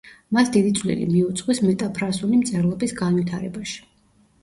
მას დიდი წვლილი მიუძღვის მეტაფრასული მწერლობის განვითარებაში.